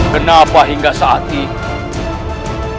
kenapa hingga saat ini